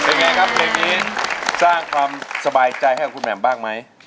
เป็นไงครับเพลงนี้สร้างความสบายใจให้กับคุณแหม่มบ้างไหม